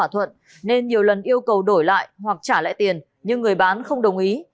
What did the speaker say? bà linh đã đưa thỏa thuận nên nhiều lần yêu cầu đổi lại hoặc trả lại tiền nhưng người bán không đồng ý